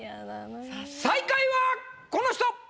最下位はこの人！